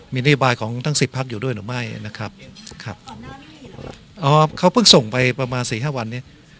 มีนโยบายของทั้งสิบพักอยู่ด้วยหรือไม่นะครับครับอ๋อเขาเพิ่งส่งไปประมาณสี่ห้าวันนี้